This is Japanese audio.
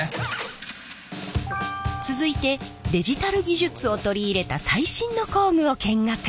続いてデジタル技術を取り入れた最新の工具を見学。